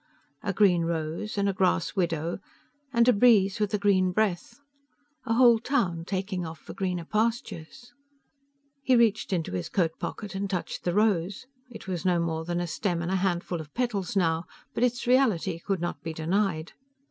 A green rose and a grass widow and a breeze with a green breath. A whole town taking off for greener pastures.... He reached into his coat pocket and touched the rose. It was no more than a stem and a handful of petals now, but its reality could not be denied.